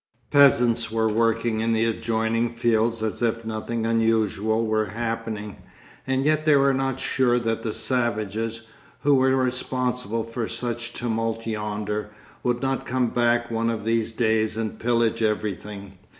Peasants were working in the adjoining fields as if nothing unusual were happening, and yet they were not sure that the savages, who were responsible for such tumult yonder, would not come back one of these days and pillage everything.